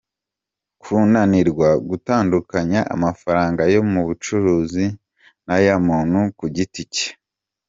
Kunanirwa gutandukanya amafaranga yo mu bucuruzi n’ay’umuntu ku giti cye.